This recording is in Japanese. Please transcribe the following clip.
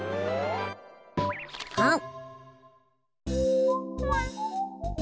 あん！